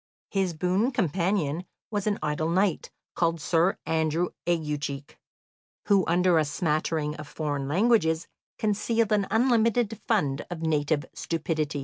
His boon companion was an idle knight, called Sir Andrew Aguecheek, who under a smattering of foreign languages concealed an unlimited fund of native stupidity.